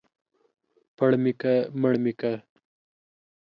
پړ مې که ، مړ مې که.